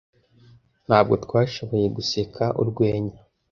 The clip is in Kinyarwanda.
Ntabwo twashoboye guseka urwenya